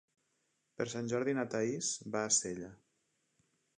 Per Sant Jordi na Thaís va a Sella.